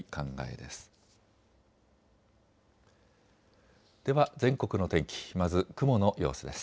では全国の天気、まず雲の様子です。